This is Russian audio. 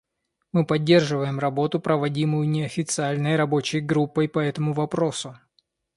Мы поддерживаем работу, проводимую Неофициальной рабочей группой по этому вопросу.